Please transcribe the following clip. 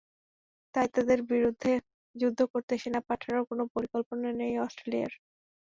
তাই তাদের বিরুদ্ধে যুদ্ধ করতে সেনা পাঠানোর কোনো পরিকল্পনা নেই অস্ট্রেলিয়ার।